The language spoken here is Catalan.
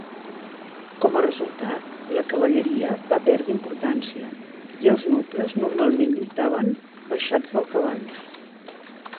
Com a resultat, la cavalleria va perdre importància i els nobles normalment lluitaven baixats del cavall.